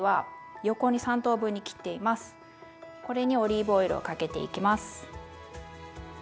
これにオリーブオイルをかけていきます。